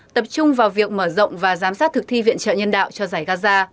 tập trung vào việc mở rộng và giám sát thực thi viện trợ nhân đạo cho giải gaza